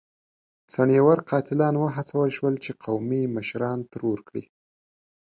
څڼيور قاتلان وهڅول شول چې قومي مشران ترور کړي.